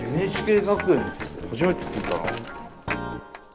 ＮＨＫ学園って初めて聞いたな。